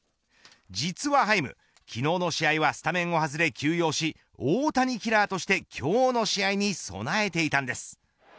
実はハイム昨日の試合はスタメンを外れ休養し大谷キラーとして今日の試合に備えていたんです。